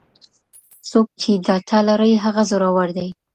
څوک چې ډاټا لري هغه زورور دی.